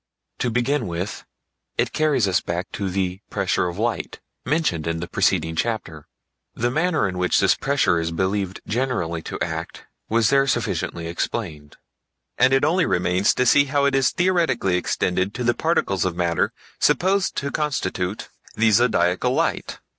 To begin with, it carries us back to the "pressure of light" mentioned in the preceding chapter. The manner in which this pressure is believed generally to act was there sufficiently explained, and it only remains to see how it is theoretically extended to the particles of matter supposed to constitute the Zodiacal Light.